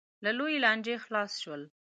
له لویې لانجې خلاص شول.